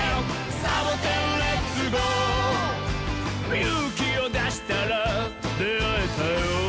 「ゆうきをだしたらであえたよ」